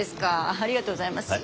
ありがとうございます。